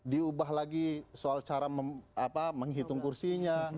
diubah lagi soal cara menghitung kursinya